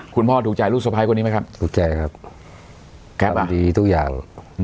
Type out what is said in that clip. คุณพ่อถูกใจลูกสะพ้ายคนนี้ไหมครับถูกใจครับแก๊ปมันดีทุกอย่าง